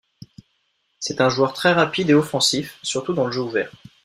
C'est un joueur très rapide et offensif surtout dans le jeu ouvert.